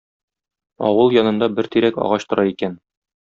Авыл янында бер тирәк агач тора икән.